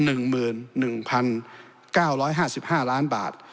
หรือมีกำไร๑๐๐๐๐๐๐บาท